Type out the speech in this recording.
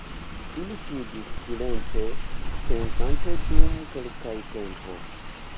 Ili sidis silente pensante dum kelka tempo.